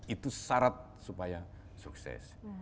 itu syarat supaya sukses